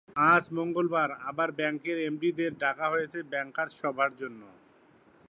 আজ মঙ্গলবার আবার ব্যাংকের এমডিদের ডাকা হয়েছে ব্যাংকার্স সভার জন্য।